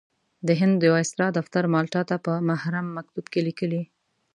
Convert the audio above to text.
د هند د وایسرا دفتر مالټا ته په محرم مکتوب کې لیکلي.